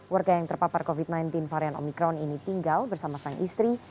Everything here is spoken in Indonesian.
warga yang terpapar covid sembilan belas varian omikron ini tinggal bersama sang istri